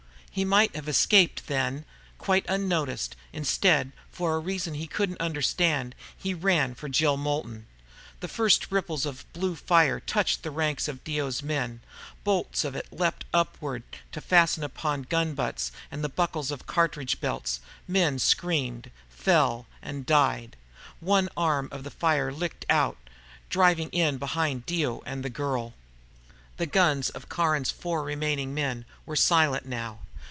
He might have escaped, then, quite unnoticed. Instead, for a reason even he couldn't understand, he ran for Jill Moulton. The first ripples of blue fire touched the ranks of Dio's men. Bolts of it leaped upward to fasten upon gun butts and the buckles of the cartridge belts. Men screamed, fell, and died. An arm of the fire licked out, driving in behind Dio and the girl. The guns of Caron's four remaining men were silent, now.